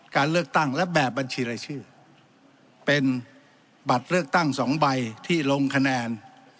การเลือกตั้งและแบบบัญชีรายชื่อเป็นบัตรเลือกตั้งสองใบที่ลงคะแนน